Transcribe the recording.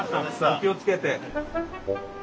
お気をつけて。